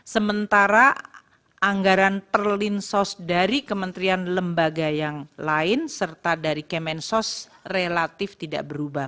sementara anggaran perlinsos dari kementerian lembaga yang lain serta dari kemensos relatif tidak berubah